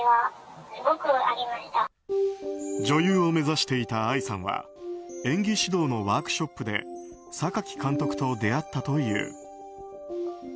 女優を目指していたＩさんは演技指導のワークショップで榊監督と出会ったという。